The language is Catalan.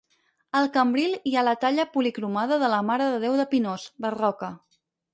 Al cambril hi ha la talla policromada de la Mare de Déu de Pinós, barroca.